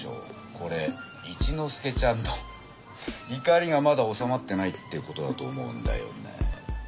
これ一之助ちゃんの怒りがまだおさまってないってことだと思うんだよね。